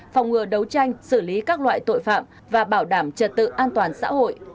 phòng ngừa đấu tranh xử lý các loại tội phạm và bảo đảm trật tự an toàn xã hội